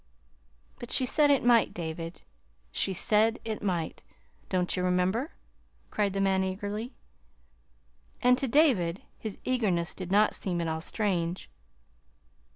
"But she said it might, David she said it might! Don't you remember?" cried the man eagerly. And to David, his eagerness did not seem at all strange.